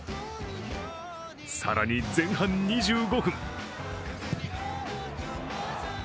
更に前半２５分。